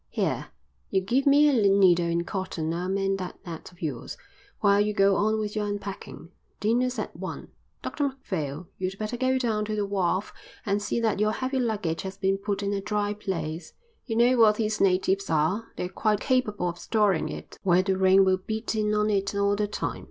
"Here, you give me a needle and cotton and I'll mend that net of yours, while you go on with your unpacking. Dinner's at one. Dr Macphail, you'd better go down to the wharf and see that your heavy luggage has been put in a dry place. You know what these natives are, they're quite capable of storing it where the rain will beat in on it all the time."